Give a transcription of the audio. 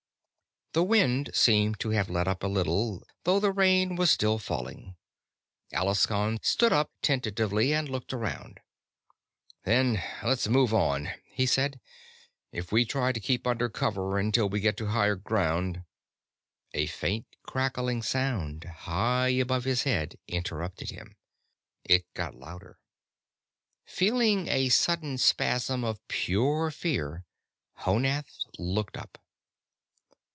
The wind seemed to have let up a little, though the rain was still falling. Alaskon stood up tentatively and looked around. "Then let's move on," he said. "If we try to keep under cover until we get to higher ground " A faint crackling sound, high above his head, interrupted him. It got louder. Feeling a sudden spasm of pure fear, Honath looked up.